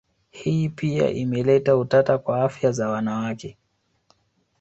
Hii pia imeleta utata kwa afya za wanawakwe